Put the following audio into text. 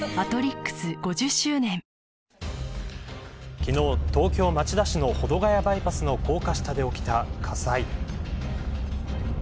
昨日、東京、町田市の保土ヶ谷バイパスの高架下で起きた火災。